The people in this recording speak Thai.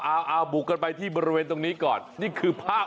เอาบุกกันไปที่บริเวณตรงนี้ก่อนนี่คือภาพ